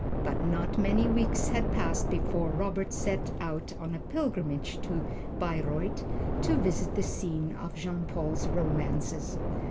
But not many weeks had passed before Robert set out on a pilgrimage to Bayreuth, to visit the scene of Jean Paul's romances.